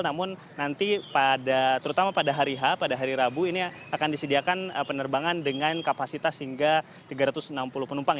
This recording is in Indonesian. namun nanti terutama pada hari h pada hari rabu ini akan disediakan penerbangan dengan kapasitas hingga tiga ratus enam puluh penumpang